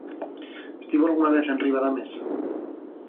Estivo algunha vez enriba da mesa?